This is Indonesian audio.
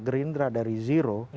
gerindra dari zero